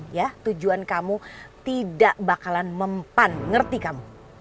ya tujuan kamu tidak bakalan mempan ngerti kamu